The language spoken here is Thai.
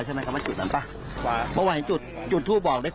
สิ่งที่เกิดขึ้นพี่เจนทำเองหรือว่าถูกบังคับคะ